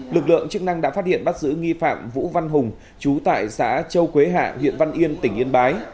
lực lượng chức năng đã phát hiện bắt giữ nghi phạm vũ văn hùng chú tại xã châu quế hạ huyện văn yên tỉnh yên bái